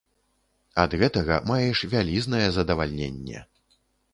Ад гэтага маеш вялізнае задавальненне.